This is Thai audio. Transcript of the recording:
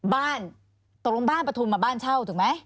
บ้านตกลงบ้านปฐุมมาบ้านเช่าถูกไหม